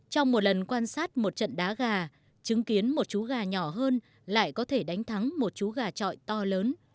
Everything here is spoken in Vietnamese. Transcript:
trong một lần quan sát một trận đá gà chứng kiến một chú gà nhỏ hơn lại có thể đánh thắng một chú gà trọi to lớn